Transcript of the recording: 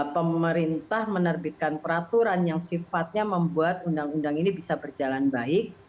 pemerintah menerbitkan peraturan yang sifatnya membuat undang undang ini bisa berjalan baik